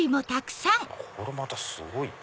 これまたすごい！